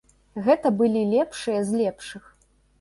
Гэта былі лепшыя з лепшых.